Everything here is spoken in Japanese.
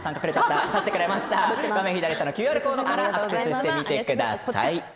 画面左下のＱＲコードからアクセスしてください。